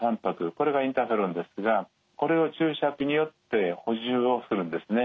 これがインターフェロンですがこれを注射器によって補充をするんですね。